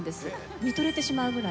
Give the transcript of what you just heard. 見とれてしまうぐらい。